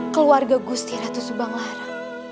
keluarga gusti ratu subang lara